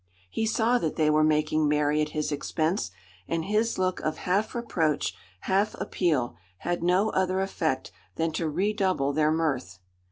He saw that they were making merry at his expense; and his look of half reproach half appeal had no other effect than to redouble their mirth.